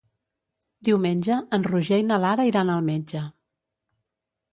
Diumenge en Roger i na Lara iran al metge.